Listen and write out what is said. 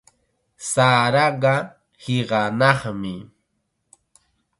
Saraqa hiqanaqmi.